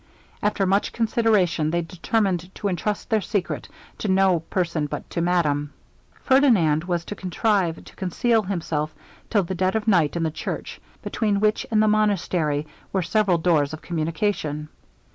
After much consideration, they determined to entrust their secret to no person but to madame. Ferdinand was to contrive to conceal himself till the dead of night in the church, between which and the monastery were several doors of communication.